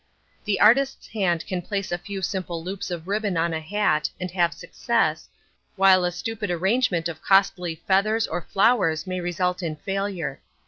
The artist's hand can place a few simple loops of ribbon on a hat, and have success, while a stupid arrangement of costly feathers or flowers may result in failure.